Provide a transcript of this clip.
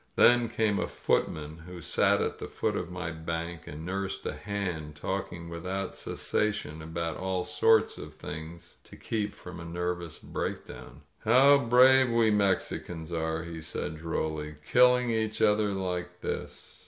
Then came a footman, who sat at the foot of my bank and nursed a hand, talking without cessation about all sorts of things to keep from a nerv ous breakdown. "How brave we Mexicans are,*' he said drolly, Kill ing each other like this